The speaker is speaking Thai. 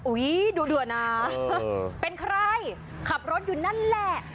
ดูเดือนะเป็นใครขับรถอยู่นั่นแหละ